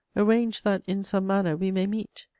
Arrange that, in some manner, we may meet.